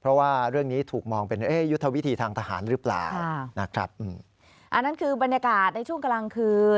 เพราะว่าเรื่องนี้ถูกมองเป็นยุทธวิธีทางทหารหรือเปล่านะครับอันนั้นคือบรรยากาศในช่วงกลางคืน